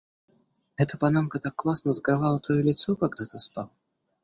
Эта панамка так классно закрывала твоё лицо, когда ты спал.